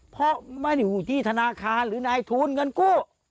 เพราะไม่ได้อยู่ที่ธนาคารหรือนายทุนเงินกู้